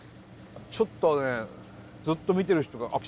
ちょっとねずっと見てる人が。